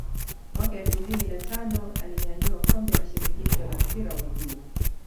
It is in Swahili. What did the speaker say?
Mwaka elfu mbili na tano alinyanyua kombe la shirikisho la mpira wa miguu